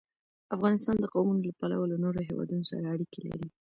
افغانستان د قومونه له پلوه له نورو هېوادونو سره اړیکې لري.